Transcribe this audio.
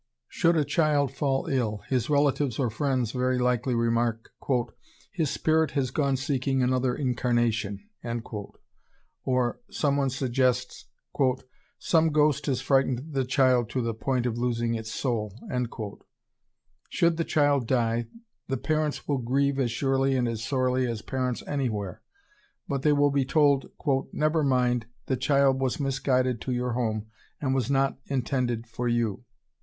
Should a child fall ill, his relatives or friends very likely remark, "His spirit has gone seeking another incarnation." Or some one suggests, "Some ghost has frightened the child to the point of losing its soul."... Should the child die, the parents will grieve as surely and as sorely as parents any where; but ... they will be told, "Never mind, the child was misguided to your home, and was not intended for you."